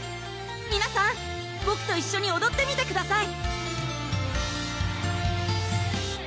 皆さんボクと一緒におどってみてください！